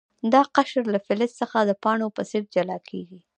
دا قشر له فلز څخه د پاڼو په څیر جلا کیږي.